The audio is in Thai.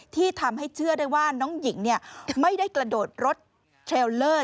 ที่ทำให้เชื่อได้ว่าน้องหญิงไม่ได้กระโดดรถเทรลเลอร์